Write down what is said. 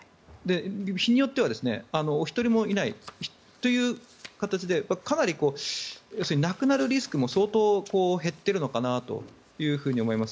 日によってはお一人もいないという形でかなり亡くなるリスクも相当減っているのかなと思います。